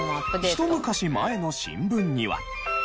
ひと昔前の新聞には。